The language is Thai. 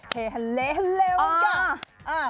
เฮ้ฮัลเลฮัลเลวังกะ